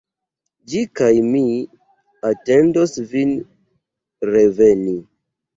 Ĝi kaj mi atendos vin reveni.